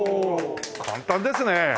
簡単ですね。